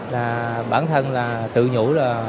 là bản thân là tự nhũ là